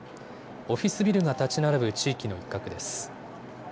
オフィスビルが建ち並ぶ地域の一角です。